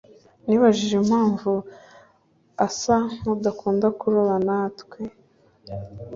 Nibajije impamvu asa nkudakunda kuroba natwe.